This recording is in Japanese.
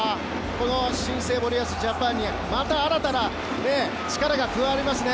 この新生森保ジャパンにまた新たな力が加わりますね。